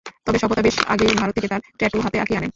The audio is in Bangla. তবে সভ্যতা বেশ আগেই ভারত থেকে তাঁর ট্যাটু হাতে আঁকিয়ে আনেন।